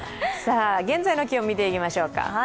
現在の気温見ていきましょうか。